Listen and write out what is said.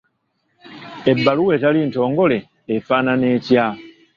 Ebbaluwa etali ntongole efaanana etya?